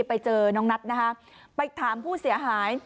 ไปเจอน้องนัทนะคะไปถามผู้เสียหาย